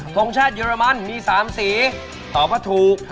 ทรงชาติเยอรมันมี๓สีตอบว่าถูก